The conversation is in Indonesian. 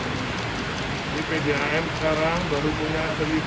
ini pdam sekarang baru punya satu enam ratus